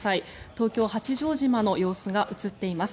東京・八丈島の様子が映っています。